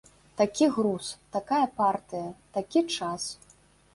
Такі груз, такая партыя, такі час!